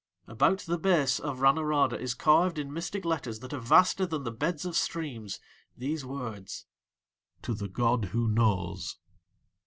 About the base of Ranorada is carved in mystic letters that are vaster than the beds of streams these words: To the god who knows.